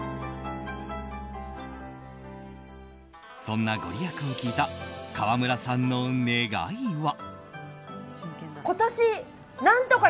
そんなご利益を聞いた川村さんの願いは。